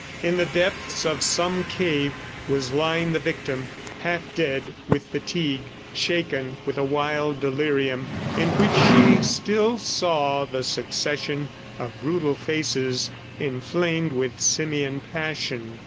In the depths of some cave, was lying the victim, half dead with fatigue, shaken with a wild delirium in which she still saw the succession of brutal faces, inflamed with simian passion.